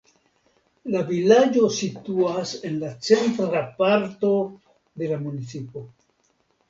La vilaĝo situas en la centra parto de la municipo.